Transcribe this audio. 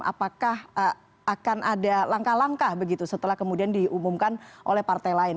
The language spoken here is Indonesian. apakah akan ada langkah langkah begitu setelah kemudian diumumkan oleh partai lain